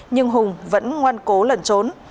nhưng hùng vẫn ngoan cố lẩn trốn